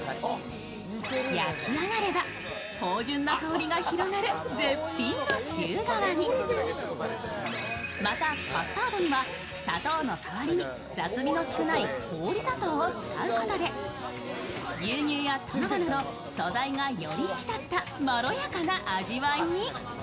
焼き上がれば、芳じゅんな香りが広がる絶品なシュー皮に、また、カスタードには砂糖の代わりに雑味の少ない氷砂糖を使うことで牛乳や卵など素材がより引き立ったまろやかな味わいに。